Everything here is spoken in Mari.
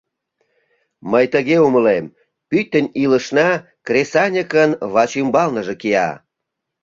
Мый тыге умылем: пӱтынь илышна кресаньыкын вачӱмбалныже кия.